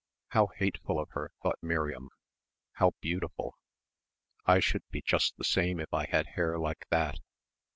How hateful of her, thought Miriam.... How beautiful. I should be just the same if I had hair like that